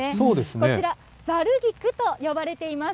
こちら、ざる菊と呼ばれています。